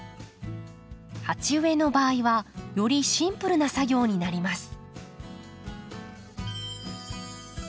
鉢植えの場合はよりシンプルな作業になります。